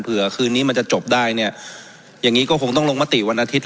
คืนนี้มันจะจบได้เนี่ยอย่างงี้ก็คงต้องลงมติวันอาทิตย